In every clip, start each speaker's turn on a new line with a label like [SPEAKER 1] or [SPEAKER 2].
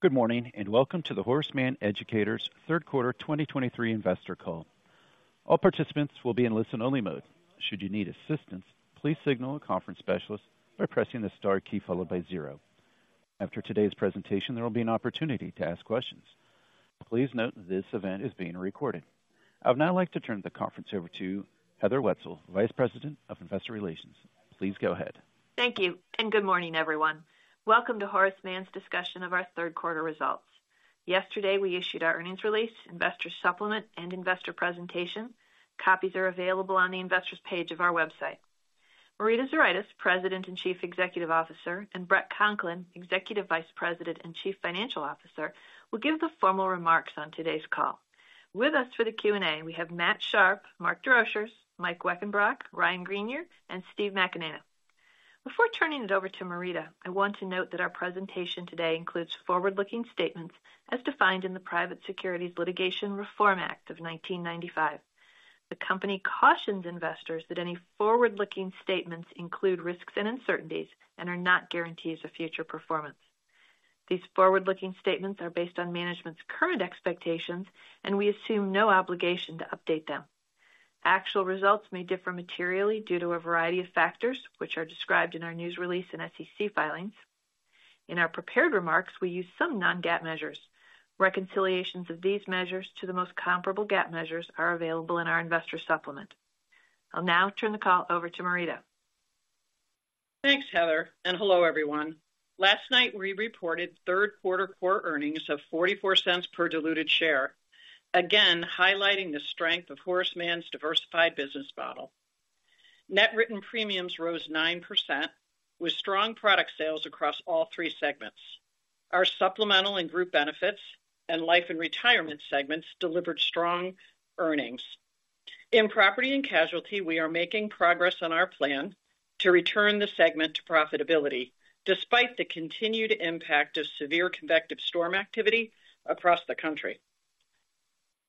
[SPEAKER 1] Good morning, and welcome to the Horace Mann Educators third quarter 2023 investor call. All participants will be in listen-only mode. Should you need assistance, please signal a conference specialist by pressing the star key followed by zero. After today's presentation, there will be an opportunity to ask questions. Please note, this event is being recorded. I would now like to turn the conference over to Heather Wietzel, Vice President of Investor Relations. Please go ahead.
[SPEAKER 2] Thank you, and good morning, everyone. Welcome to Horace Mann's discussion of our third quarter results. Yesterday, we issued our earnings release, investor supplement, and investor presentation. Copies are available on the Investors page of our website. Marita Zuraitis, President and Chief Executive Officer, and Bret Conklin, Executive Vice President and Chief Financial Officer, will give the formal remarks on today's call. With us for the Q&A, we have Matt Sharpe, Mark Desrochers, Mike Weckenbrock, Ryan Greenier, and Steve McAnena. Before turning it over to Marita, I. want to note that our presentation today includes forward-looking statements as defined in the Private Securities Litigation Reform Act of 1995. The company cautions investors that any forward-looking statements include risks and uncertainties and are not guarantees of future performance. These forward-looking statements are based on management's current expectations, and we assume no obligation to update them. Actual results may differ materially due to a variety of factors, which are described in our news release and SEC filings. In our prepared remarks, we use some non-GAAP measures. Reconciliations of these measures to the most comparable GAAP measures are available in our investor supplement. I'll now turn the call over to Marita.
[SPEAKER 3] Thanks, Heather, and hello, everyone. Last night, we reported third quarter core earnings of $0.44 per diluted share, again highlighting the strength of Horace Mann's diversified business model. Net written premiums rose 9%, with strong product sales across all three segments. Our Supplemental and Group Benefits and Life and Retirement segments delivered strong earnings. In Property and Casualty, we are making progress on our plan to return the segment to profitability, despite the continued impact of severe convective storm activity across the country.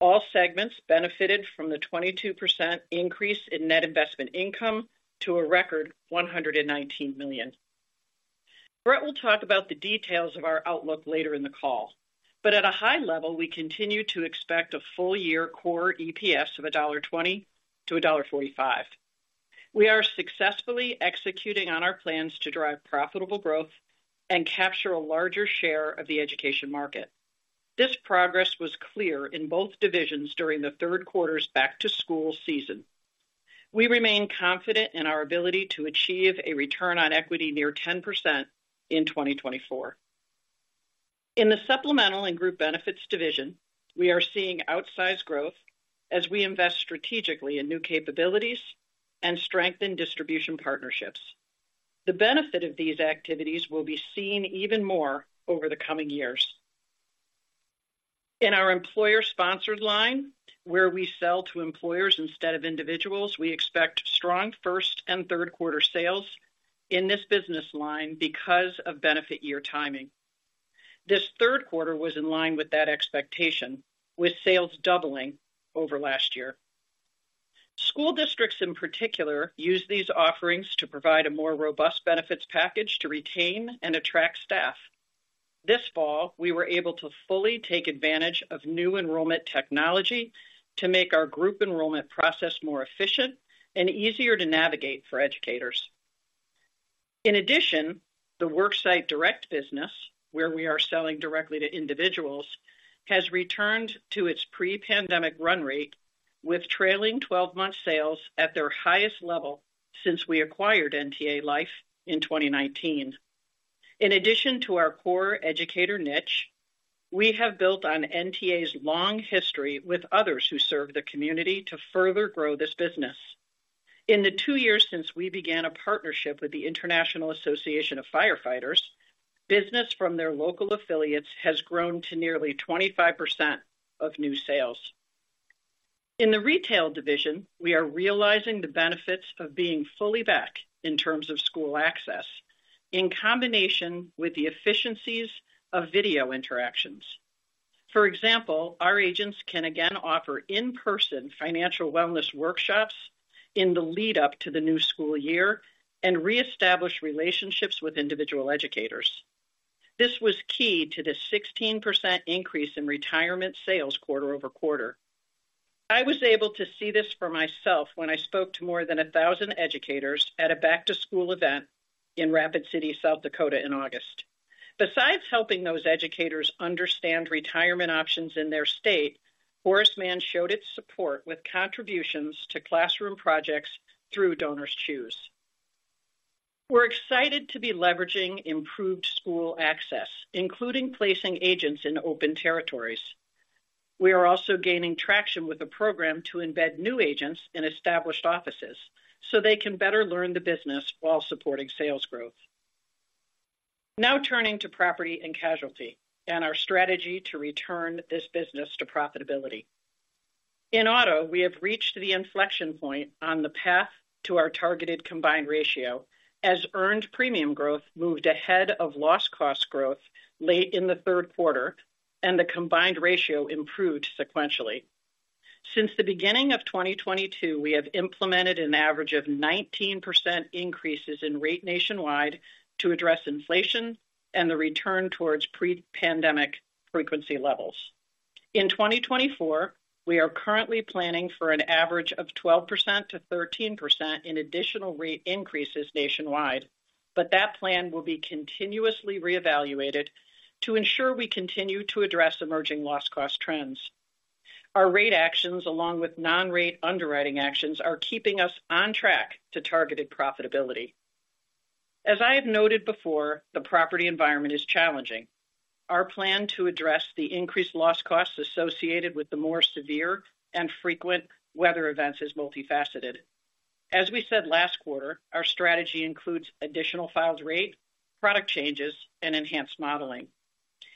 [SPEAKER 3] All segments benefited from the 22% increase in net investment income to a record $119 million. Bret will talk about the details of our outlook later in the call, but at a high level, we continue to expect a full-year core EPS of $1.20-$1.45. We are successfully executing on our plans to drive profitable growth and capture a larger share of the education market. This progress was clear in both divisions during the third quarter's back-to-school season. We remain confident in our ability to achieve a return on equity near 10% in 2024. In the Supplemental and Group Benefits division, we are seeing outsized growth as we invest strategically in new capabilities and strengthen distribution partnerships. The benefit of these activities will be seen even more over the coming years. In our employer-sponsored line, where we sell to employers instead of individuals, we expect strong first and third quarter sales in this business line because of benefit year timing. This third quarter was in line with that expectation, with sales doubling over last year. School districts, in particular, use these offerings to provide a more robust benefits package to retain and attract staff. This fall, we were able to fully take advantage of new enrollment technology to make our group enrollment process more efficient and easier to navigate for educators. In addition, the worksite direct business, where we are selling directly to individuals, has returned to its pre-pandemic run rate, with trailing 12-month sales at their highest level since we acquired NTA Life in 2019. In addition to our core educator niche, we have built on NTA's long history with others who serve the community to further grow this business. In the two years since we began a partnership with the International Association of Fire Fighters, business from their local affiliates has grown to nearly 25% of new sales. In the retail division, we are realizing the benefits of being fully back in terms of school access, in combination with the efficiencies of video interactions. For example, our agents can again offer in-person financial wellness workshops in the lead up to the new school year and reestablish relationships with individual educators. This was key to the 16% increase in retirement sales quarter-over-quarter. I was able to see this for myself when I spoke to more than 1,000 educators at a back-to-school event in Rapid City, South Dakota, in August. Besides helping those educators understand retirement options in their state, Horace Mann showed its support with contributions to classroom projects through DonorsChoose. We're excited to be leveraging improved school access, including placing agents in open territories. We are also gaining traction with a program to embed new agents in established offices, so they can better learn the business while supporting sales growth. Now, turning to property and casualty and our strategy to return this business to profitability. In auto, we have reached the inflection point on the path to our targeted combined ratio as earned premium growth moved ahead of loss cost growth late in the third quarter, and the combined ratio improved sequentially. Since the beginning of 2022, we have implemented an average of 19% increases in rate nationwide to address inflation and the return towards pre-pandemic frequency levels. In 2024, we are currently planning for an average of 12%-13% in additional rate increases nationwide, but that plan will be continuously reevaluated to ensure we continue to address emerging loss cost trends. Our rate actions, along with non-rate underwriting actions, are keeping us on track to targeted profitability. As I have noted before, the property environment is challenging. Our plan to address the increased loss costs associated with the more severe and frequent weather events is multifaceted. As we said last quarter, our strategy includes additional rate filings, product changes, and enhanced modeling.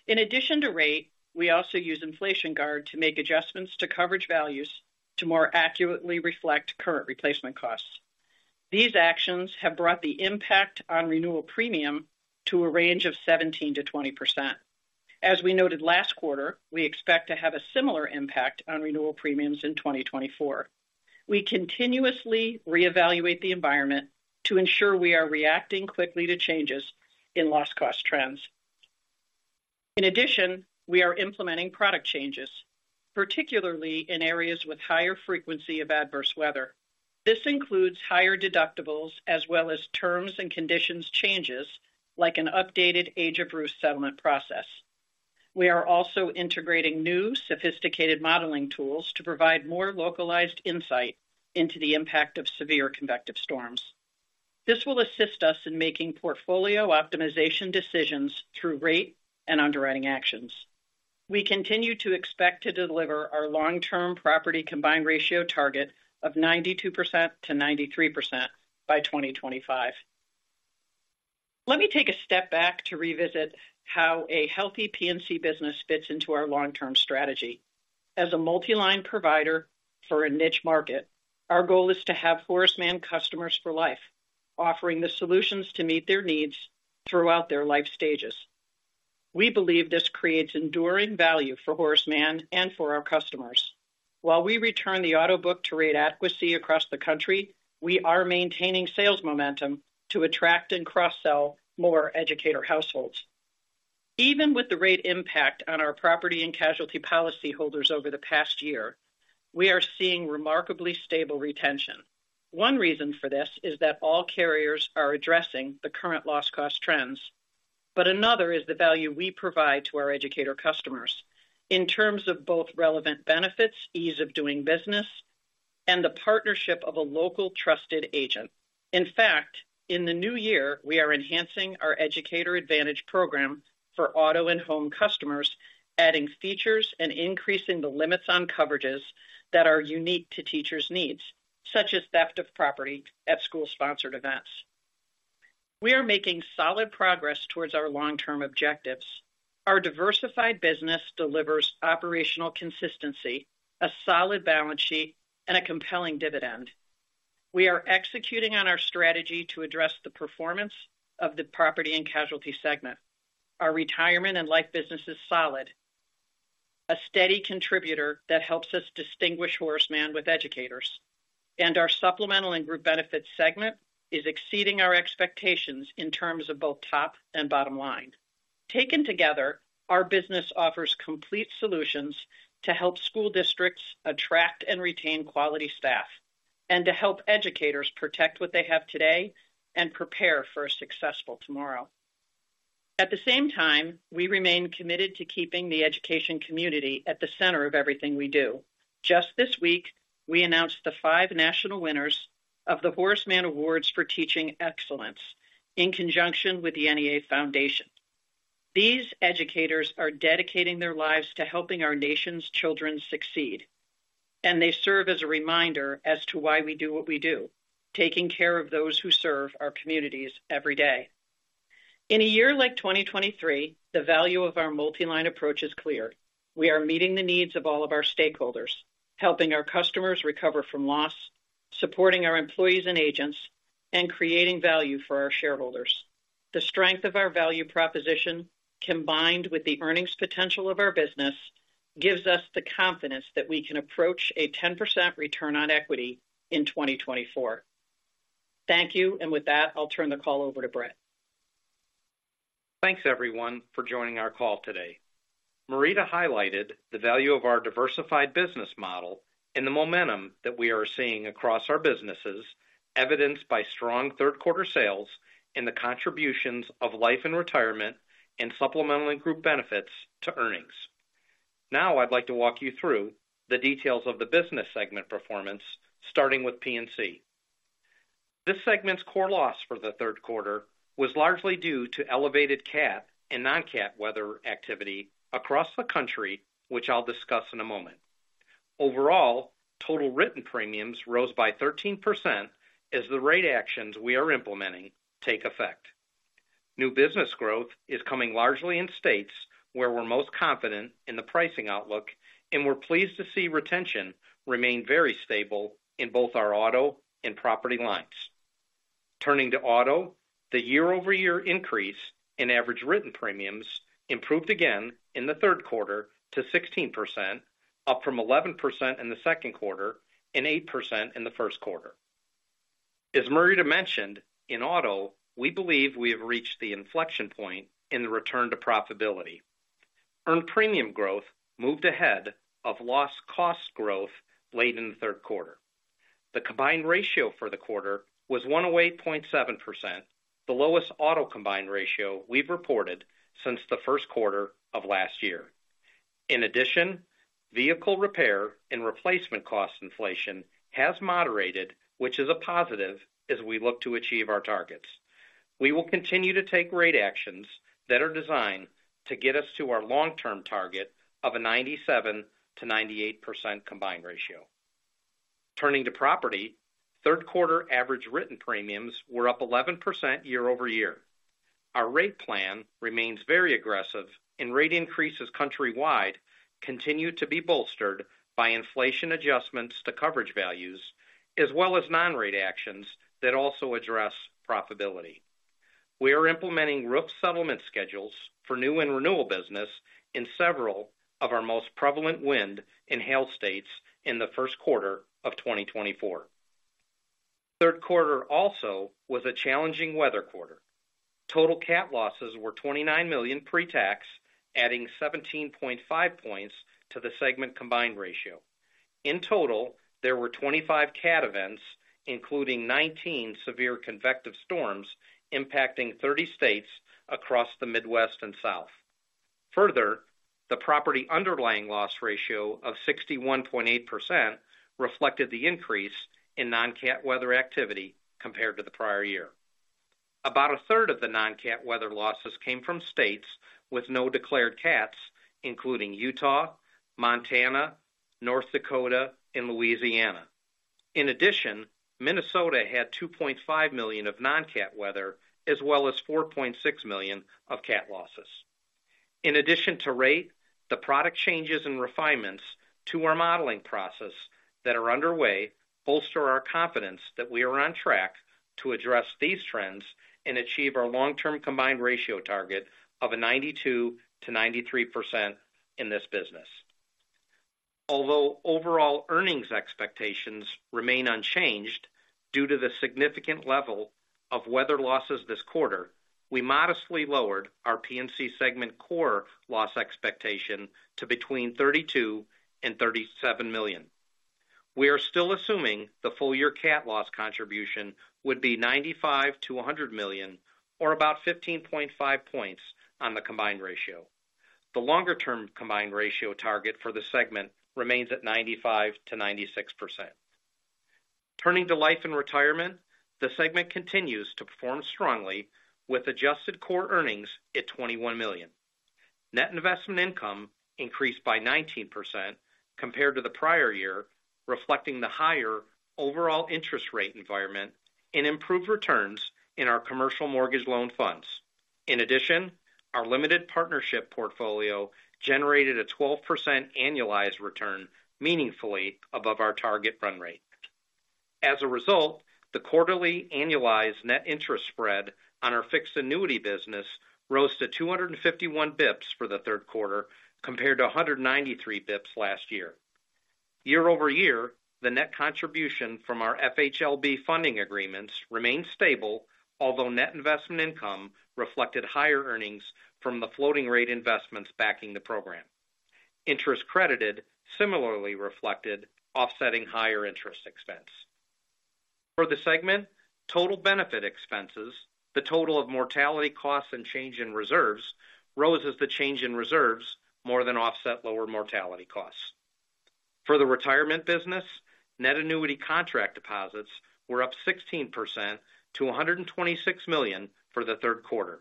[SPEAKER 3] In addition to rate, we also use Inflation Guard to make adjustments to coverage values to more accurately reflect current replacement costs. These actions have brought the impact on renewal premium to a range of 17%-20%. As we noted last quarter, we expect to have a similar impact on renewal premiums in 2024. We continuously reevaluate the environment to ensure we are reacting quickly to changes in loss cost trends. In addition, we are implementing product changes, particularly in areas with higher frequency of adverse weather. This includes higher deductibles as well as terms and conditions changes, like an updated age of roof settlement process. We are also integrating new sophisticated modeling tools to provide more localized insight into the impact of severe convective storms. This will assist us in making portfolio optimization decisions through rate and underwriting actions. We continue to expect to deliver our long-term property combined ratio target of 92%-93% by 2025. Let me take a step back to revisit how a healthy P&C business fits into our long-term strategy. As a multi-line provider for a niche market, our goal is to have Horace Mann customers for life, offering the solutions to meet their needs throughout their life stages. We believe this creates enduring value for Horace Mann and for our customers. While we return the auto book to rate adequacy across the country, we are maintaining sales momentum to attract and cross-sell more educator households. Even with the rate impact on our property and casualty policyholders over the past year, we are seeing remarkably stable retention. One reason for this is that all carriers are addressing the current loss cost trends, but another is the value we provide to our educator customers in terms of both relevant benefits, ease of doing business, and the partnership of a local trusted agent. In fact, in the new year, we are enhancing our Educator Advantage Program for auto and home customers, adding features and increasing the limits on coverages that are unique to teachers' needs, such as theft of property at school-sponsored events. We are making solid progress towards our long-term objectives. Our diversified business delivers operational consistency, a solid balance sheet, and a compelling dividend. We are executing on our strategy to address the performance of the Property and Casualty segment. Our retirement and life business is solid, a steady contributor that helps us distinguish Horace Mann with educators, and our supplemental and group benefits segment is exceeding our expectations in terms of both top and bottom line. Taken together, our business offers complete solutions to help school districts attract and retain quality staff, and to help educators protect what they have today and prepare for a successful tomorrow. At the same time, we remain committed to keeping the education community at the center of everything we do. Just this week, we announced the five national winners of the Horace Mann Awards for Teaching Excellence, in conjunction with the NEA Foundation. These educators are dedicating their lives to helping our nation's children succeed, and they serve as a reminder as to why we do what we do, taking care of those who serve our communities every day. In a year like 2023, the value of our multi-line approach is clear. We are meeting the needs of all of our stakeholders, helping our customers recover from loss, supporting our employees and agents, and creating value for our shareholders. The strength of our value proposition, combined with the earnings potential of our business, gives us the confidence that we can approach a 10% return on equity in 2024. Thank you. With that, I'll turn the call over to Bret.
[SPEAKER 4] Thanks, everyone, for joining our call today. Marita highlighted the value of our diversified business model and the momentum that we are seeing across our businesses, evidenced by strong third quarter sales and the contributions of Life and Retirement and Supplemental and Group Benefits to earnings. Now I'd like to walk you through the details of the business segment performance, starting with P&C. This segment's core loss for the third quarter was largely due to elevated cat and non-cat weather activity across the country, which I'll discuss in a moment. Overall, total written premiums rose by 13% as the rate actions we are implementing take effect. New business growth is coming largely in states where we're most confident in the pricing outlook, and we're pleased to see retention remain very stable in both our auto and property lines. Turning to auto, the year-over-year increase in average written premiums improved again in the third quarter to 16%, up from 11% in the second quarter and 8% in the first quarter. As Marita, mentioned, in auto, we believe we have reached the inflection point in the return to profitability. Earned premium growth moved ahead of loss cost growth late in the third quarter. The combined ratio for the quarter was 101.7%, the lowest auto combined ratio we've reported since the first quarter of last year. In addition, vehicle repair and replacement cost inflation has moderated, which is a positive as we look to achieve our targets. We will continue to take rate actions that are designed to get us to our long-term target of a 97%-98% combined ratio. Turning to property, third quarter average written premiums were up 11% year-over-year. Our rate plan remains very aggressive, and rate increases countrywide continue to be bolstered by inflation adjustments to coverage values, as well as non-rate actions that also address profitability. We are implementing roof settlement schedules for new and renewal business in several of our most prevalent wind and hail states in the first quarter of 2024. Third quarter also was a challenging weather quarter. Total cat losses were $29 million pre-tax, adding 17.5 points to the segment combined ratio. In total, there were 25 cat events, including 19 severe convective storms, impacting 30 states across the Midwest and South. Further, the property underlying loss ratio of 61.8% reflected the increase in non-cat weather activity compared to the prior year. About a third of the non-cat weather losses came from states with no declared cats, including Utah, Montana, North Dakota, and Louisiana. In addition, Minnesota had $2.5 million of non-cat weather, as well as $4.6 million of cat losses. In addition to rate, the product changes and refinements to our modeling process that are underway bolster our confidence that we are on track to address these trends and achieve our long-term combined ratio target of 92%-93% in this business. Although overall earnings expectations remain unchanged due to the significant level of weather losses this quarter, we modestly lowered our P&C segment core loss expectation to between $32 million and $37 million. We are still assuming the full year cat loss contribution would be $95 million-$100 million, or about 15.5 points on the combined ratio. The longer-term Combined Ratio target for the segment remains at 95%-96%. Turning to Life and Retirement, the segment continues to perform strongly with adjusted core earnings at $21 million. Net investment income increased by 19% compared to the prior year, reflecting the higher overall interest rate environment and improved returns in our commercial mortgage loan funds. In addition, our limited partnership portfolio generated a 12% annualized return, meaningfully above our target run rate. As a result, the quarterly annualized net interest spread on our fixed annuity business rose to 251 bps for the third quarter, compared to 193 bps last year. Year-over-year, the net contribution from our FHLB funding agreements remained stable, although net investment income reflected higher earnings from the floating rate investments backing the program. Interest credited similarly reflected, offsetting higher interest expense. For the segment, total benefit expenses, the total of mortality costs and change in reserves, rose as the change in reserves more than offset lower mortality costs. For the retirement business, net annuity contract deposits were up 16% to $126 million for the third quarter.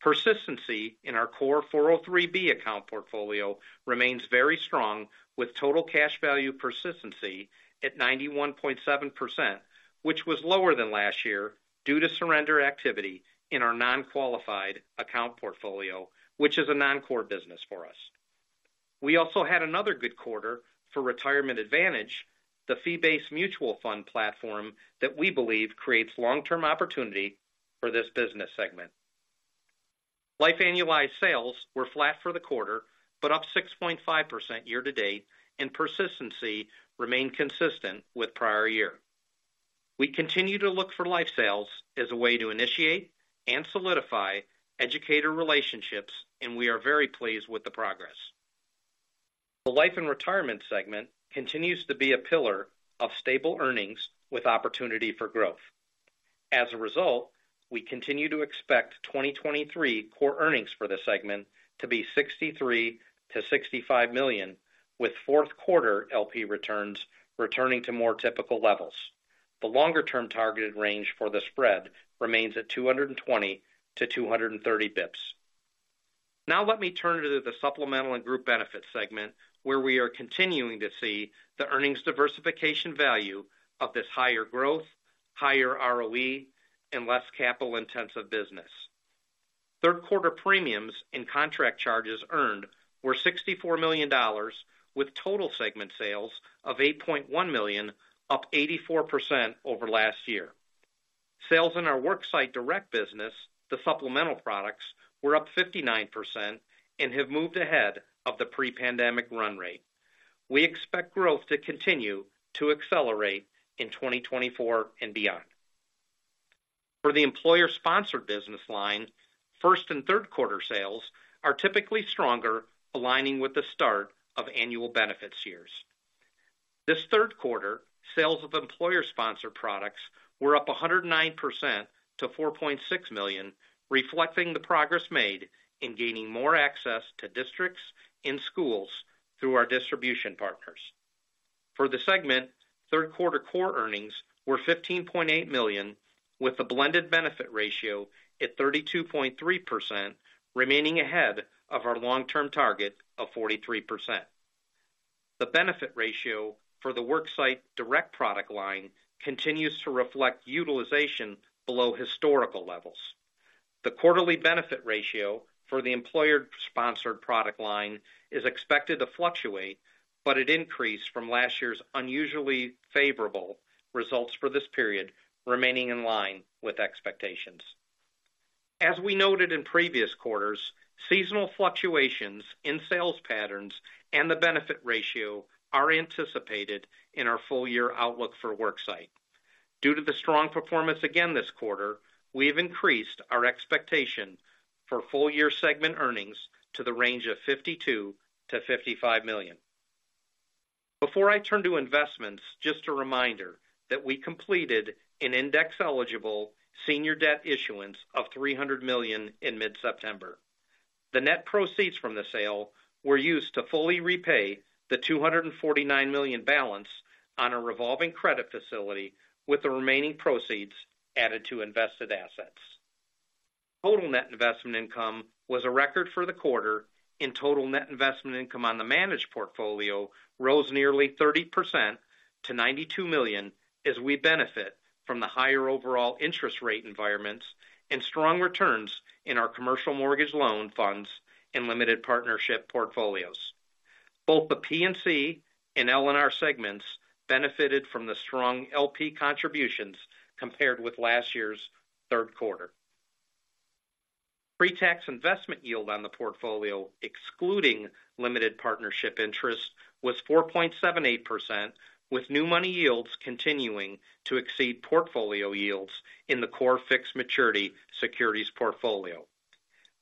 [SPEAKER 4] Persistency in our core 403(b) account portfolio remains very strong, with total cash value persistency at 91.7%, which was lower than last year due to surrender activity in our non-qualified account portfolio, which is a non-core business for us. We also had another good quarter for Retirement Advantage, the fee-based mutual fund platform that we believe creates long-term opportunity for this business segment. Life annualized sales were flat for the quarter, but up 6.5% year to date, and persistency remained consistent with prior year. We continue to look for life sales as a way to initiate and solidify educator relationships, and we are very pleased with the progress. The Life and Retirement segment continues to be a pillar of stable earnings with opportunity for growth. As a result, we continue to expect 2023 core earnings for this segment to be $63 million-$65 million, with fourth quarter LP returns returning to more typical levels. The longer-term targeted range for the spread remains at 220-230 bips. Now let me turn to the Supplemental and Group Benefits segment, where we are continuing to see the earnings diversification value of this higher growth, higher ROE, and less capital-intensive business. Third quarter premiums and contract charges earned were $64 million, with total segment sales of $8.1 million, up 84% over last year. Sales in our Worksite Direct business, the supplemental products, were up 59% and have moved ahead of the pre-pandemic run rate. We expect growth to continue to accelerate in 2024 and beyond. For the employer-sponsored business line, first and third quarter sales are typically stronger, aligning with the start of annual benefits years. This third quarter, sales of employer-sponsored products were up 109% to $4.6 million, reflecting the progress made in gaining more access to districts and schools through our distribution partners. For the segment, third quarter core earnings were $15.8 million, with a blended benefit ratio at 32.3%, remaining ahead of our long-term target of 43%. The benefit ratio for the Worksite Direct product line continues to reflect utilization below historical levels. The quarterly benefit ratio for the employer-sponsored product line is expected to fluctuate, but it increased from last year's unusually favorable results for this period, remaining in line with expectations. As we noted in previous quarters, seasonal fluctuations in sales patterns and the benefit ratio are anticipated in our full year outlook for Worksite. Due to the strong performance again this quarter, we have increased our expectation for full year segment earnings to the range of $52 million-$55 million. Before I turn to investments, just a reminder that we completed an index-eligible senior debt issuance of $300 million in mid-September. The net proceeds from the sale were used to fully repay the $249 million balance on a revolving credit facility, with the remaining proceeds added to invested assets. Total net investment income was a record for the quarter, and total net investment income on the managed portfolio rose nearly 30% to $92 million, as we benefit from the higher overall interest rate environments and strong returns in our Commercial Mortgage Loan Funds and limited partnership portfolios. Both the P&C and L&R segments benefited from the strong LP contributions compared with last year's third quarter. Pre-tax investment yield on the portfolio, excluding limited partnership interest, was 4.78%, with new money yields continuing to exceed portfolio yields in the core fixed maturity securities portfolio.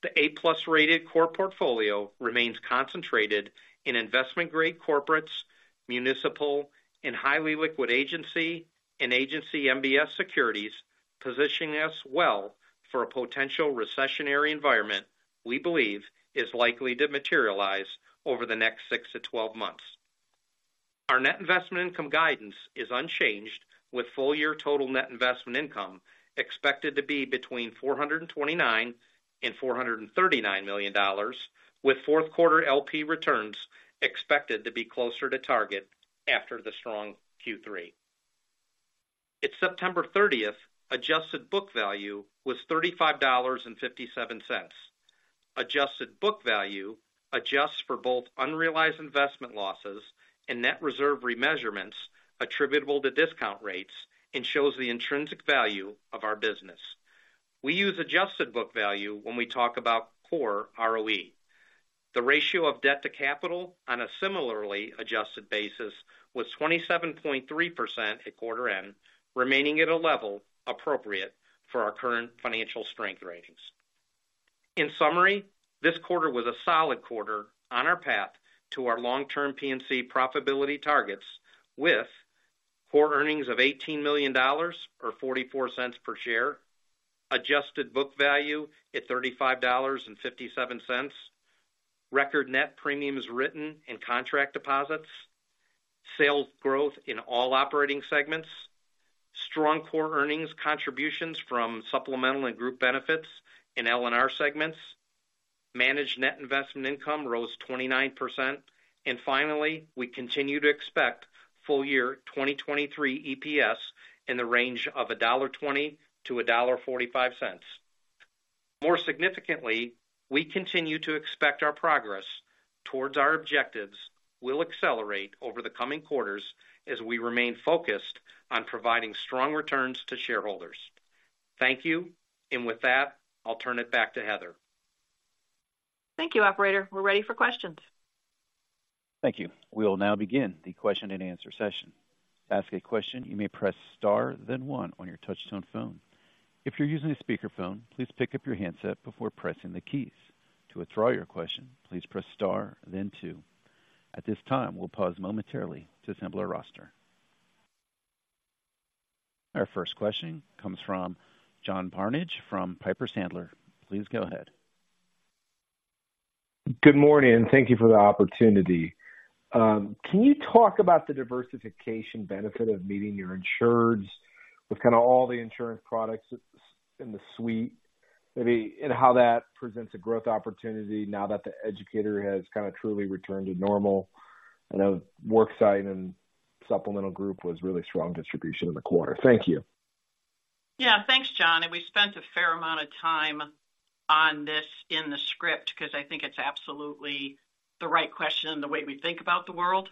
[SPEAKER 4] The A+ rated core portfolio remains concentrated in investment-grade corporates, municipal and highly liquid agency, and agency MBS securities, positioning us well for a potential recessionary environment we believe is likely to materialize over the next six-12 months. Our net investment income guidance is unchanged, with full year total net investment income expected to be between $429 million and $439 million, with Q4 LP returns expected to be closer to target after the strong Q3. At September 30th, Adjusted Book Value was $35.57. Adjusted Book Value adjusts for both unrealized investment losses and net reserve remeasurements attributable to discount rates and shows the intrinsic value of our business. We use Adjusted Book Value when we talk about core ROE. The ratio of debt to capital on a similarly adjusted basis was 27.3% at quarter end, remaining at a level appropriate for our current financial strength ratings. In summary, this quarter was a solid quarter on our path to our long-term P&C profitability targets with core earnings of $18 million, or $0.44 per share, adjusted book value at $35.57, record net premiums written and contract deposits, sales growth in all operating segments, strong core earnings contributions from supplemental and group benefits in L&R segments, managed net investment income rose 29%, and finally, we continue to expect full year 2023 EPS in the range of $1.20-$1.45. More significantly, we continue to expect our progress towards our objectives will accelerate over the coming quarters as we remain focused on providing strong returns to shareholders. Thank you, and with that, I'll turn it back to Heather.
[SPEAKER 2] Thank you, operator. We're ready for questions.
[SPEAKER 1] Thank you. We will now begin the question-and-answer session. To ask a question, you may press star then one on your touchtone phone. If you're using a speakerphone, please pick up your handset before pressing the keys. To withdraw your question, please press star then two. At this time, we'll pause momentarily to assemble our roster. Our first question comes from John Barnidge from Piper Sandler. Please go ahead.
[SPEAKER 5] Good morning, and thank you for the opportunity. Can you talk about the diversification benefit of meeting your insureds with kind of all the insurance products in the suite? Maybe, and how that presents a growth opportunity now that the educator has kind of truly returned to normal, and the Worksite and supplemental group was really strong distribution in the quarter. Thank you.
[SPEAKER 3] Yeah, thanks, John, and we spent a fair amount of time on this in the script, 'cause I think it's absolutely the right question and the way we think about the world.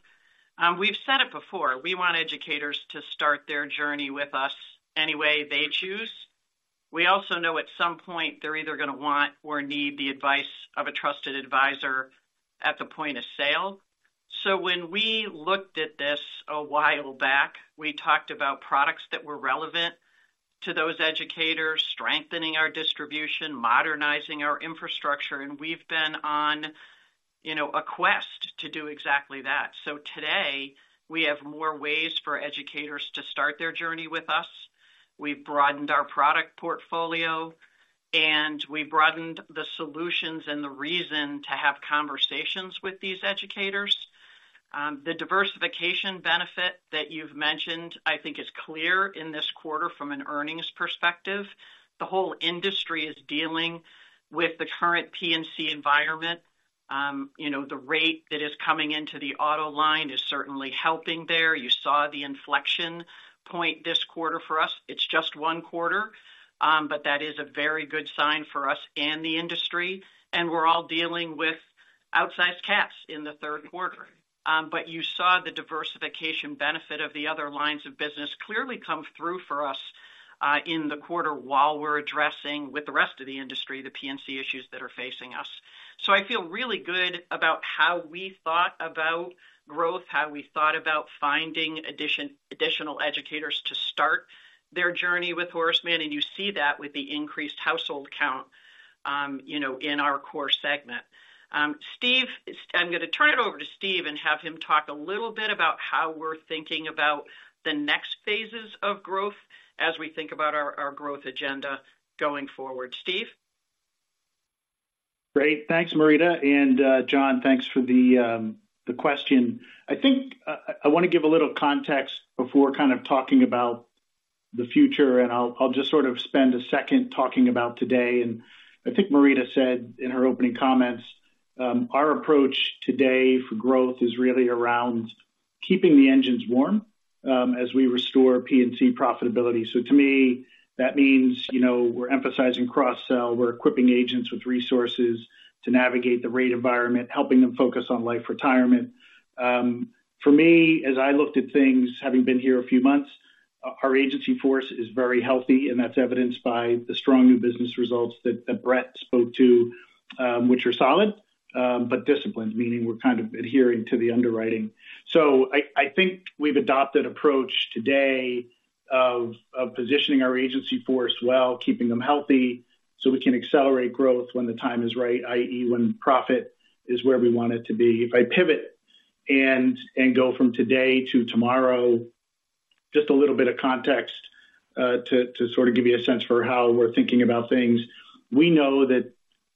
[SPEAKER 3] We've said it before, we want educators to start their journey with us any way they choose. We also know at some point they're either going to want or need the advice of a trusted advisor at the point of sale. So when we looked at this a while back, we talked about products that were relevant to those educators, strengthening our distribution, modernizing our infrastructure, and we've been on, you know, a quest to do exactly that. So today, we have more ways for educators to start their journey with us. We've broadened our product portfolio, and we've broadened the solutions and the reason to have conversations with these educators. The diversification benefit that you've mentioned, I think, is clear in this quarter from an earnings perspective. The whole industry is dealing with the current P&C environment. You know, the rate that is coming into the auto line is certainly helping there. You saw the inflection point this quarter for us. It's just one quarter, but that is a very good sign for us and the industry, and we're all dealing with outsized cats in the third quarter. But you saw the diversification benefit of the other lines of business clearly come through for us, in the quarter, while we're addressing, with the rest of the industry, the P&C issues that are facing us. So I feel really good about how we thought about growth, how we thought about finding additional educators to start their journey with Horace Mann, and you see that with the increased household count, you know, in our core segment. Steve, I'm going to turn it over to Steve and have him talk a little bit about how we're thinking about the next phases of growth as we think about our growth agenda going forward. Steve?
[SPEAKER 6] Great. Thanks, Marita, and John, thanks for the question. I think I want to give a little context before kind of talking about the future, and I'll just sort of spend a second talking about today. I think Marita said in her opening comments, our approach today for growth is really around keeping the engines warm as we restore P&C profitability. So to me, that means, you know, we're emphasizing cross-sell, we're equipping agents with resources to navigate the rate environment, helping them focus on life retirement. For me, as I looked at things, having been here a few months, our agency force is very healthy, and that's evidenced by the strong new business results that Bret spoke to, which are solid but disciplined, meaning we're kind of adhering to the underwriting. So I, I think we've adopted approach today of, of positioning our agency force well, keeping them healthy, so we can accelerate growth when the time is right, i.e., when profit is where we want it to be. If I pivot and, and go from today to tomorrow, just a little bit of context, to, to sort of give you a sense for how we're thinking about things. We know that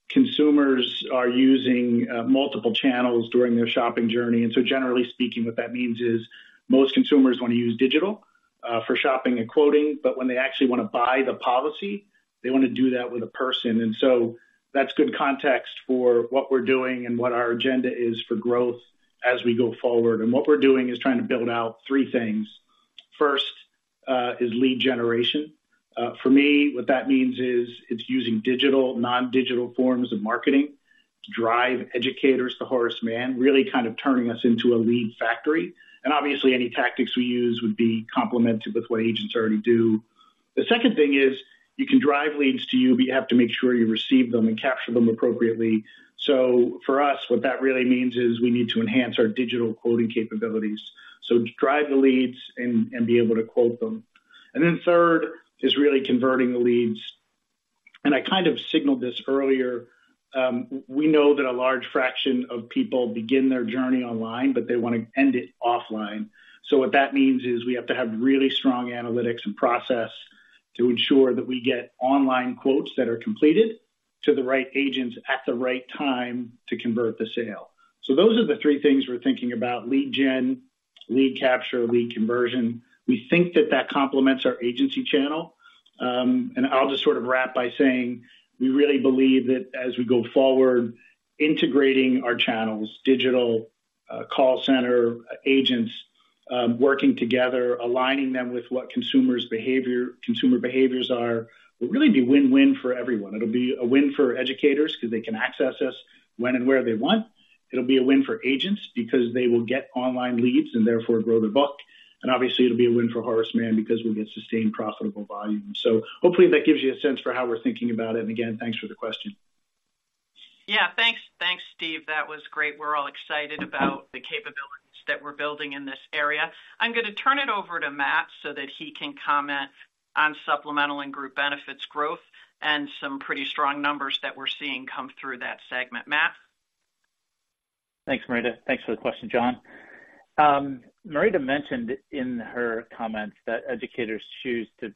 [SPEAKER 6] consumers are using, multiple channels during their shopping journey, and so generally speaking, what that means is most consumers want to use digital, for shopping and quoting, but when they actually want to buy the policy, they want to do that with a person. And what we're doing is trying to build out three things. First, is lead generation. For me, what that means is, it's using digital, non-digital forms of marketing to drive educators to Horace Mann, really kind of turning us into a lead factory. And obviously, any tactics we use would be complemented with what agents already do. The second thing is, you can drive leads to you, but you have to make sure you receive them and capture them appropriately. So for us, what that really means is we need to enhance our digital quoting capabilities, so drive the leads and be able to quote them. And then third, is really converting the leads. And I kind of signaled this earlier, we know that a large fraction of people begin their journey online, but they want to end it offline. So what that means is, we have to have really strong analytics and process to ensure that we get online quotes that are completed to the right agents at the right time to convert the sale. So those are the three things we're thinking about: lead gen, lead capture, lead conversion. We think that that complements our agency channel. And I'll just sort of wrap by saying, we really believe that as we go forward, integrating our channels, digital, call center, agents, working together, aligning them with what consumers behavior—consumer behaviors are, will really be win-win for everyone. It'll be a win for educators because they can access us when and where they want. It'll be a win for agents because they will get online leads and therefore grow their book. And obviously, it'll be a win for Horace Mann because we'll get sustained profitable volume. Hopefully, that gives you a sense for how we're thinking about it. Again, thanks for the question.
[SPEAKER 3] Yeah, thanks. Thanks, Steve. That was great. We're all excited about the capabilities that we're building in this area. I'm going to turn it over to Matt so that he can comment on supplemental and group benefits growth and some pretty strong numbers that we're seeing come through that segment. Matt?
[SPEAKER 7] Thanks, Marita. Thanks for the question, John. Marita mentioned in her comments that educators choose to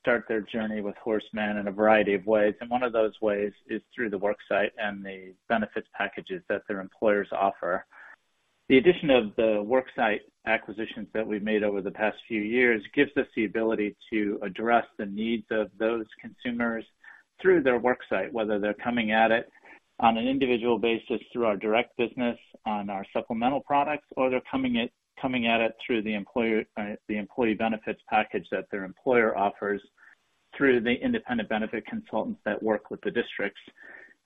[SPEAKER 7] start their journey with Horace Mann in a variety of ways, and one of those ways is through the worksite and the benefits packages that their employers offer. The addition of the worksite acquisitions that we've made over the past few years gives us the ability to address the needs of those consumers through their worksite, whether they're coming at it on an individual basis through our direct business on our supplemental products, or they're coming at it through the employer, the employee benefits package that their employer offers through the independent benefit consultants that work with the districts.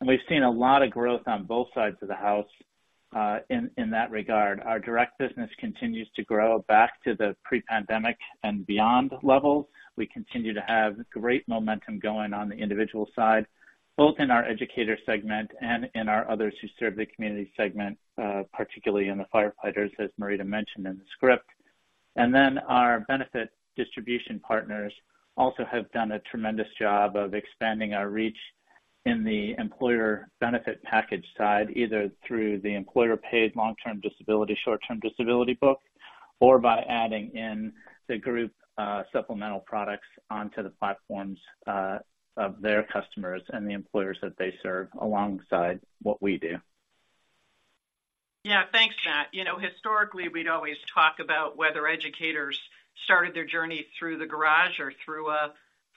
[SPEAKER 7] We've seen a lot of growth on both sides of the house, in that regard. Our direct business continues to grow back to the pre-pandemic and beyond levels. We continue to have great momentum going on the individual side, both in our educator segment and in our others who serve the community segment, particularly in the firefighters, as Marita mentioned in the script. And then our benefit distribution partners also have done a tremendous job of expanding our reach in the employer benefit package side, either through the employer-paid long-term disability, short-term disability book, or by adding in the group, supplemental products onto the platforms, of their customers and the employers that they serve alongside what we do.
[SPEAKER 3] Yeah, thanks, Matt. You know, historically, we'd always talk about whether educators started their journey through the garage or through a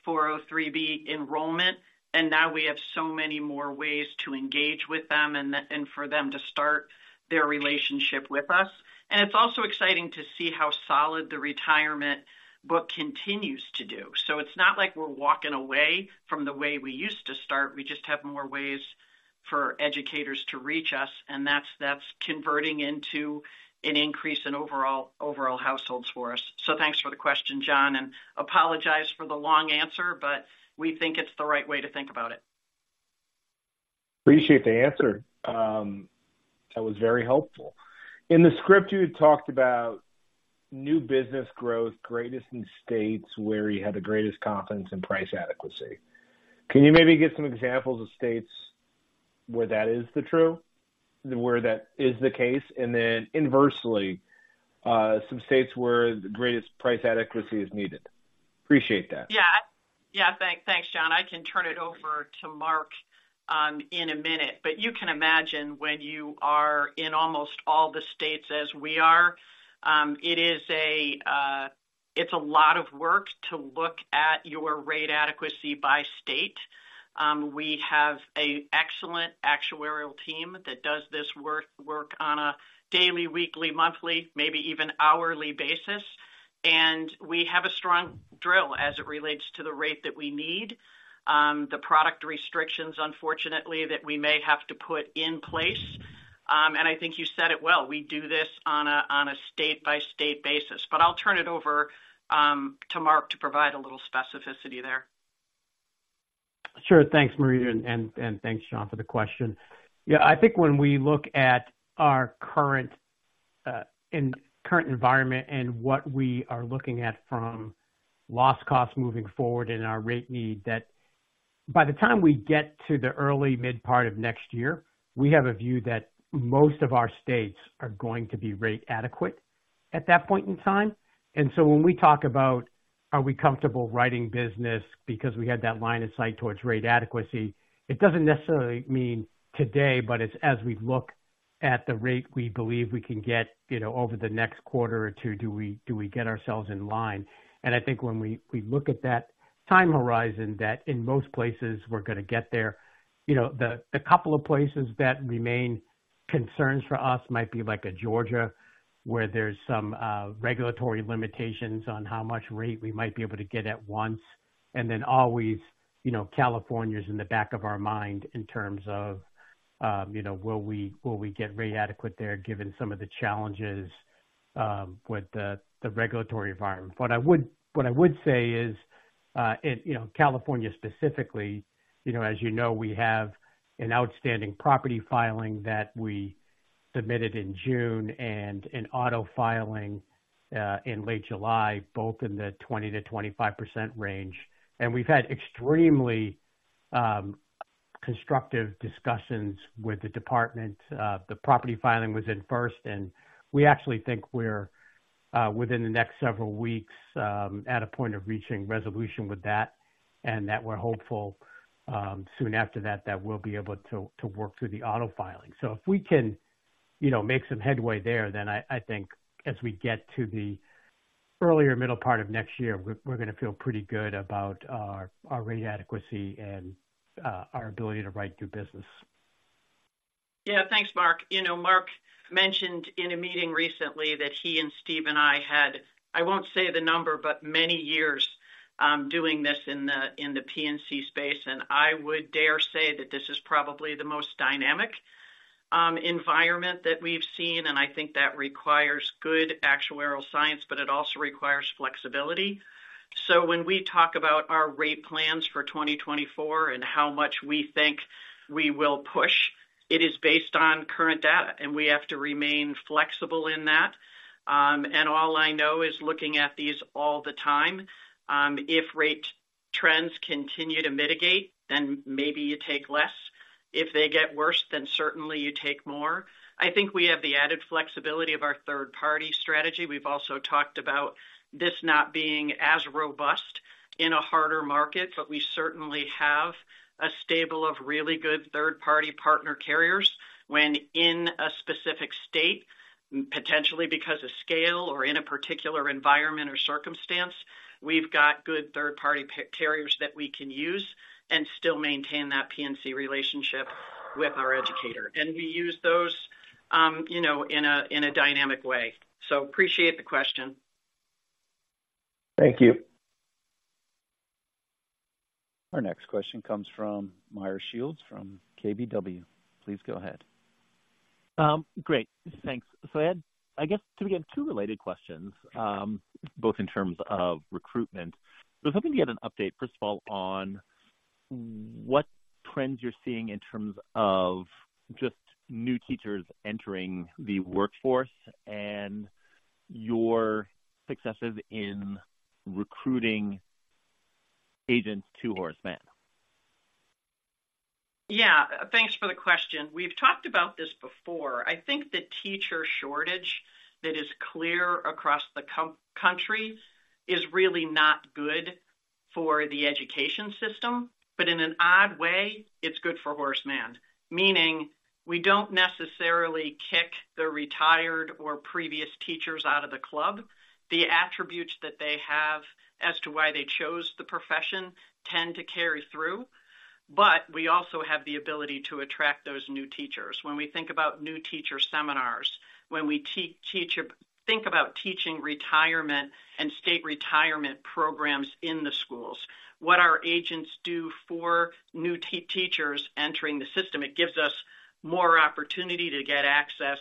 [SPEAKER 3] 403(b) enrollment, and now we have so many more ways to engage with them and the and for them to start their relationship with us. And it's also exciting to see how solid the retirement book continues to do. So it's not like we're walking away from the way we used to start. We just have more ways for educators to reach us, and that's converting into an increase in overall households for us. So thanks for the question, John, and apologize for the long answer, but we think it's the right way to think about it.
[SPEAKER 5] Appreciate the answer. That was very helpful. In the script, you had talked about new business growth, greatest in states where you had the greatest confidence in price adequacy. Can you maybe give some examples of states where that is the case, and then inversely, some states where the greatest price adequacy is needed? Appreciate that.
[SPEAKER 3] Yeah. Yeah, thanks, thanks, John. I can turn it over to Mark in a minute, but you can imagine when you are in almost all the states as we are. It's a lot of work to look at your rate adequacy by state. We have an excellent actuarial team that does this work on a daily, weekly, monthly, maybe even hourly basis, and we have a strong drill as it relates to the rate that we need, the product restrictions, unfortunately, that we may have to put in place. And I think you said it well, we do this on a state-by-state basis. But I'll turn it over to Mark to provide a little specificity there.
[SPEAKER 8] Sure. Thanks, Marita, and thanks, John, for the question. Yeah, I think when we look at our current environment and what we are looking at from loss costs moving forward and our rate need, that by the time we get to the early mid-part of next year, we have a view that most of our states are going to be rate adequate at that point in time. And so when we talk about are we comfortable writing business because we had that line of sight towards rate adequacy, it doesn't necessarily mean today, but it's as we look at the rate we believe we can get, you know, over the next quarter or two, do we get ourselves in line? And I think when we look at that time horizon, that in most places, we're going to get there. You know, the couple of places that remain concerns for us might be like a Georgia, where there's some regulatory limitations on how much rate we might be able to get at once, and then always, you know, California is in the back of our mind in terms of, you know, will we, will we get rate adequate there, given some of the challenges with the regulatory environment? What I would say is, You know, California specifically, you know, as you know, we have an outstanding property filing that we submitted in June and an auto filing in late July, both in the 20%-25% range. And we've had extremely constructive discussions with the department. The property filing was in first, and we actually think we're within the next several weeks at a point of reaching resolution with that, and that we're hopeful soon after that, that we'll be able to to work through the auto filing. So if we can, you know, make some headway there, then I think as we get to the earlier middle part of next year, we're going to feel pretty good about our rate adequacy and our ability to write new business.
[SPEAKER 3] Yeah. Thanks, Mark. You know, Mark mentioned in a meeting recently that he and Steve and I had, I won't say the number, but many years doing this in the P&C space, and I would dare say that this is probably the most dynamic environment that we've seen, and I think that requires good actuarial science, but it also requires flexibility. So when we talk about our rate plans for 2024 and how much we think we will push, it is based on current data, and we have to remain flexible in that. And all I know is looking at these all the time, if rate trends continue to mitigate, then maybe you take less. If they get worse, then certainly you take more. I think we have the added flexibility of our third-party strategy. We've also talked about this not being as robust in a harder market, but we certainly have a stable of really good third-party partner carriers when in a specific state, potentially because of scale or in a particular environment or circumstance. We've got good third-party carriers that we can use and still maintain that P&C relationship with our educator. And we use those, you know, in a dynamic way. So appreciate the question.
[SPEAKER 8] Thank you.
[SPEAKER 1] Our next question comes from Meyer Shields from KBW. Please go ahead.
[SPEAKER 9] Great, thanks. So I had, I guess, two, again, two related questions, both in terms of recruitment. I was hoping to get an update, first of all, on what trends you're seeing in terms of just new teachers entering the workforce and your successes in recruiting agents to Horace Mann.
[SPEAKER 3] Yeah, thanks for the question. We've talked about this before. I think the teacher shortage that is clear across the country is really not good for the education system, but in an odd way, it's good for Horace Mann. Meaning, we don't necessarily kick the retired or previous teachers out of the club. The attributes that they have as to why they chose the profession tend to carry through, but we also have the ability to attract those new teachers. When we think about new teacher seminars, when we think about teaching retirement and state retirement programs in the schools, what our agents do for new teachers entering the system, it gives us more opportunity to get access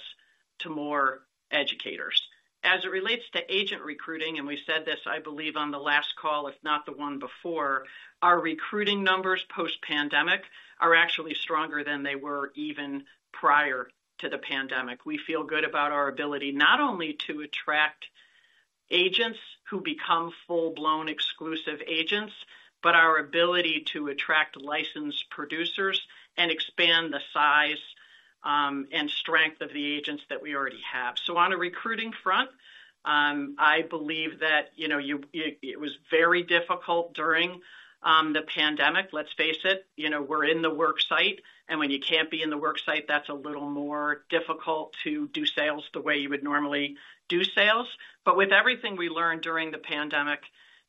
[SPEAKER 3] to more educators. As it relates to agent recruiting, and we said this, I believe, on the last call, if not the one before, our recruiting numbers post-pandemic are actually stronger than they were even prior to the pandemic. We feel good about our ability not only to attract agents who become full-blown exclusive agents, but our ability to attract licensed producers and expand the size and strength of the agents that we already have. So on a recruiting front, I believe that, you know, it was very difficult during the pandemic. Let's face it, you know, we're in the work site, and when you can't be in the work site, that's a little more difficult to do sales the way you would normally do sales. But with everything we learned during the pandemic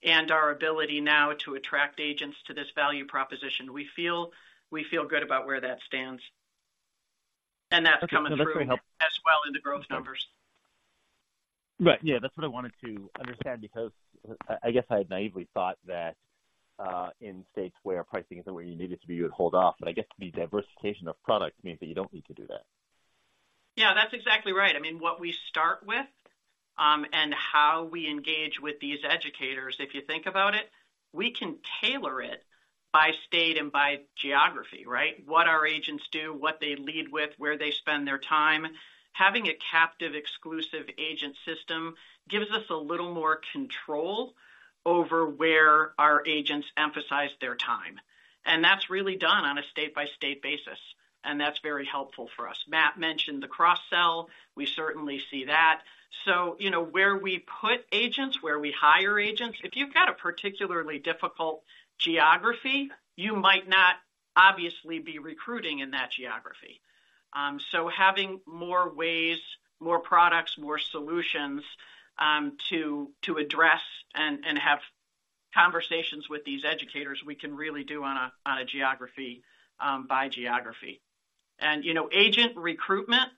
[SPEAKER 3] and our ability now to attract agents to this value proposition, we feel, we feel good about where that stands. And that's coming through as well in the growth numbers.
[SPEAKER 9] Right. Yeah, that's what I wanted to understand, because I, I guess I had naively thought that, in states where pricing isn't where you need it to be, you would hold off. But I guess the diversification of product means that you don't need to do that.
[SPEAKER 3] Yeah, that's exactly right. I mean, what we start with, and how we engage with these educators, if you think about it, we can tailor it by state and by geography, right? What our agents do, what they lead with, where they spend their time. Having a captive exclusive agent system gives us a little more control over where our agents emphasize their time, and that's really done on a state-by-state basis, and that's very helpful for us. Matt mentioned the cross-sell. We certainly see that. So, you know, where we put agents, where we hire agents, if you've got a particularly difficult geography, you might not obviously be recruiting in that geography. So having more ways, more products, more solutions, to address and have conversations with these educators, we can really do on a geography by geography. You know, agent recruitment,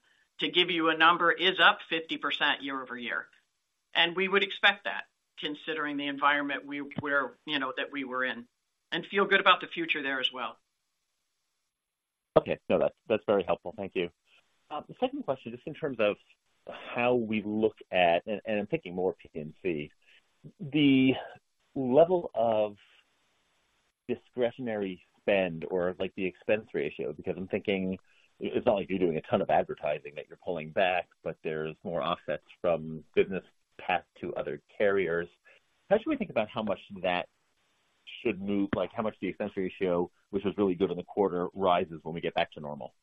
[SPEAKER 3] to give you a number, is up 50% year-over-year. We would expect that considering the environment we were in, you know, and feel good about the future there as well.
[SPEAKER 9] Okay. No, that's, that's very helpful. Thank you. The second question, just in terms of how we look at, and I'm thinking more P&C, the level of discretionary spend or, like, the expense ratio, because I'm thinking it's not like you're doing a ton of advertising that you're pulling back, but there's more offsets from business path to other carriers. How should we think about how much that should move? Like, how much the expense ratio, which was really good in the quarter, rises when we get back to normal?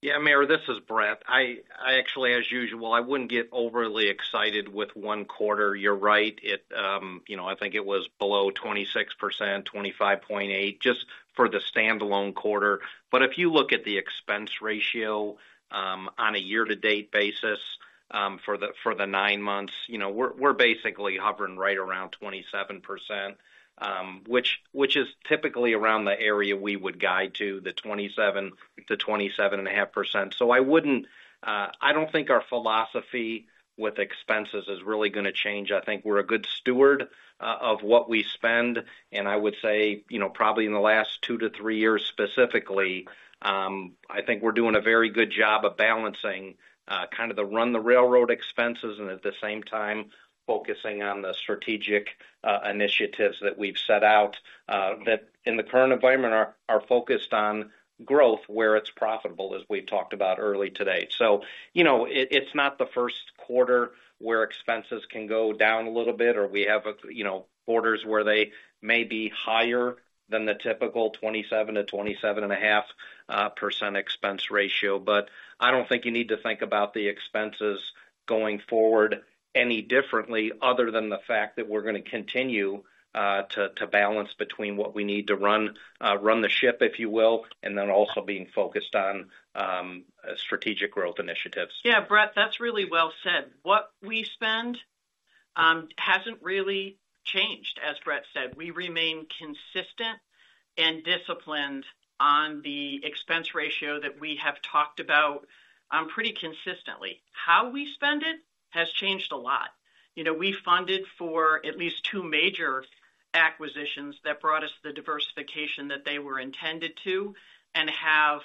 [SPEAKER 4] Yeah, Meyer, this is Bret. I actually as usual, I wouldn't get overly excited with one quarter. You're right, you know, I think it was below 26%, 25.8, just for the standalone quarter. But if you look at the expense ratio, on a year-to-date basis, for the, for the 9 months, you know, we're, we're basically hovering right around 27%, which, which is typically around the area we would guide to, the 27%-27.5%. So I wouldn't, I don't think our philosophy with expenses is really gonna change. I think we're a good steward of what we spend, and I would say, you know, probably in the last 2-3 years specifically, I think we're doing a very good job of balancing kind of the run-the-railroad expenses, and at the same time, focusing on the strategic initiatives that we've set out that in the current environment are focused on growth where it's profitable, as we've talked about early today. So, you know, it's not the first quarter where expenses can go down a little bit, or we have quarters where they may be higher than the typical 27%-27.5% expense ratio. But I don't think you need to think about the expenses going forward any differently, other than the fact that we're gonna continue to balance between what we need to run the ship, if you will, and then also being focused on strategic growth initiatives.
[SPEAKER 3] Yeah, Bret, that's really well said. What we spend hasn't really changed. As Bret said, we remain consistent and disciplined on the expense ratio that we have talked about pretty consistently. How we spend it has changed a lot. You know, we funded for at least two major acquisitions that brought us the diversification that they were intended to, and have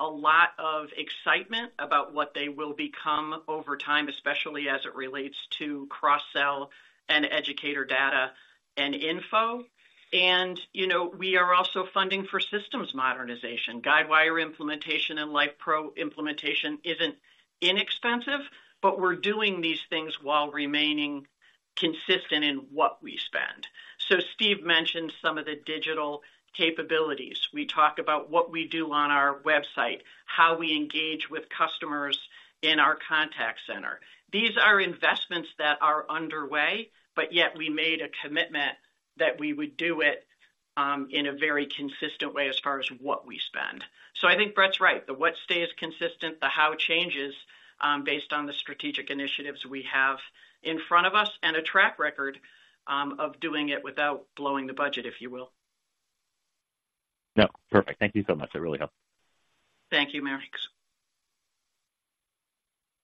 [SPEAKER 3] a lot of excitement about what they will become over time, especially as it relates to cross-sell and educator data and info. And, you know, we are also funding for systems modernization. Guidewire implementation and LifePro implementation isn't inexpensive, but we're doing these things while remaining consistent in what we spend. So Steve mentioned some of the digital capabilities. We talk about what we do on our website, how we engage with customers in our contact center. These are investments that are underway, but yet we made a commitment that we would do it, in a very consistent way as far as what we spend. So I think Bret's right, the what stays consistent, the how changes, based on the strategic initiatives we have in front of us, and a track record, of doing it without blowing the budget, if you will.
[SPEAKER 9] No, perfect. Thank you so much. It really helps.
[SPEAKER 3] Thank you, Meyer.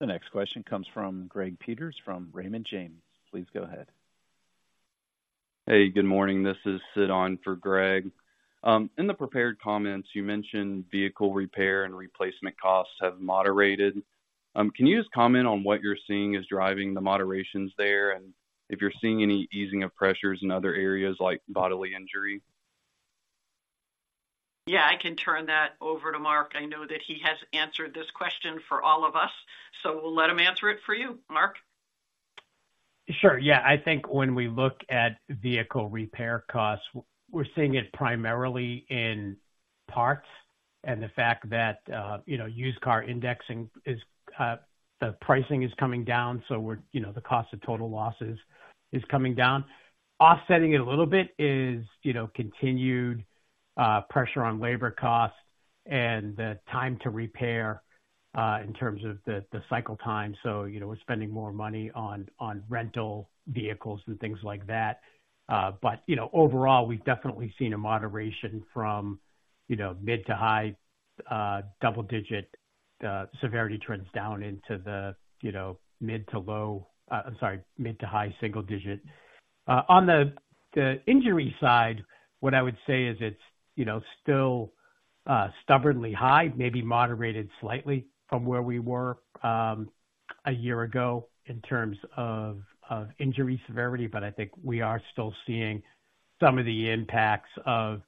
[SPEAKER 1] The next question comes from Greg Peters from Raymond James. Please go ahead.
[SPEAKER 10] Hey, good morning. This is Sid on for Greg. In the prepared comments, you mentioned vehicle repair and replacement costs have moderated. Can you just comment on what you're seeing is driving the moderations there, and if you're seeing any easing of pressures in other areas like bodily injury?
[SPEAKER 3] Yeah, I can turn that over to Mark. I know that he has answered this question for all of us, so we'll let him answer it for you. Mark?
[SPEAKER 8] Sure. Yeah. I think when we look at vehicle repair costs, we're seeing it primarily in parts and the fact that, you know, used car indexing is, the pricing is coming down, so we're, you know, the cost of total losses is coming down. Offsetting it a little bit is, you know, continued pressure on labor costs and the time to repair, in terms of the cycle time. So, you know, we're spending more money on rental vehicles and things like that. But, you know, overall, we've definitely seen a moderation from, you know, mid to high double digit severity trends down into the, you know, mid to low, I'm sorry, mid to high single digit. On the injury side, what I would say is it's, you know, still stubbornly high, maybe moderated slightly from where we were a year ago in terms of injury severity. But I think we are still seeing some of the impacts of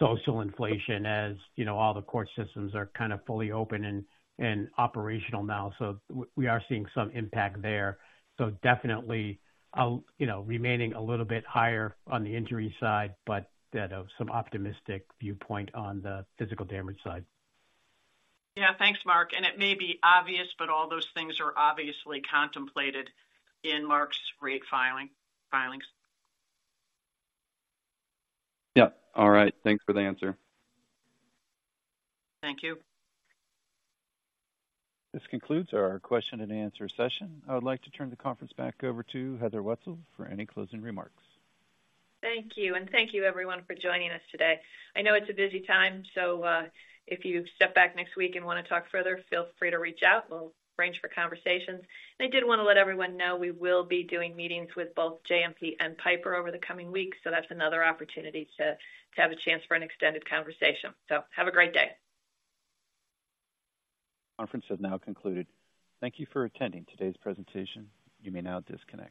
[SPEAKER 8] social inflation, as you know, all the court systems are kind of fully open and operational now. So we are seeing some impact there. So definitely, you know, remaining a little bit higher on the injury side, but that's some optimistic viewpoint on the physical damage side.
[SPEAKER 3] Yeah. Thanks, Mark. And it may be obvious, but all those things are obviously contemplated in Mark's rate filings.
[SPEAKER 10] Yep. All right, thanks for the answer.
[SPEAKER 3] Thank you.
[SPEAKER 1] This concludes our question and answer session. I would like to turn the conference back over to Heather Wietzel for any closing remarks.
[SPEAKER 2] Thank you, and thank you, everyone, for joining us today. I know it's a busy time, so if you step back next week and want to talk further, feel free to reach out. We'll arrange for conversations. I did want to let everyone know we will be doing meetings with both JMP and Piper over the coming weeks, so that's another opportunity to have a chance for an extended conversation. Have a great day.
[SPEAKER 1] Conference is now concluded. Thank you for attending today's presentation. You may now disconnect.